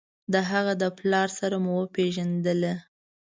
د هغه د پلار سره مو پېژندله.